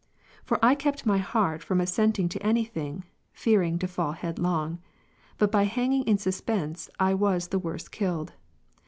For I kept my heart from assenting to any thing, fearing to fall head long ; but by hanging in suspense I was the worse killed.